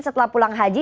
setelah pulang haji